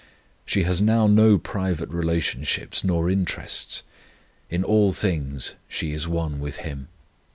She has now no private relationships nor interests; in all things she is one with Him.